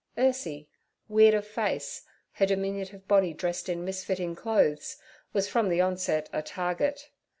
Ursie, weird of face, her diminutive body dressed in misfitting clothes, was from the onset a target.